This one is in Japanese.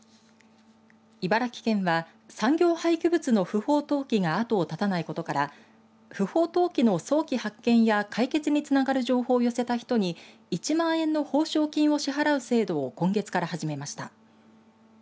茨城県は産業廃棄物の不法投棄が後を絶たないことから不法投棄の早期発見や解決につながる情報を寄せた人に１万円の報奨金を支払う制度を今月から始めました。